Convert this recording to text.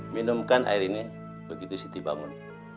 minumkan air ini begitu siti bangun